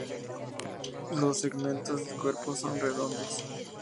Los segmentos del cuerpo son redondos.